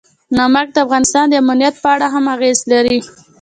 نمک د افغانستان د امنیت په اړه هم اغېز لري.